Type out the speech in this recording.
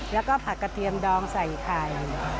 แล้วก็ผักกระเทียมดองใส่ไข่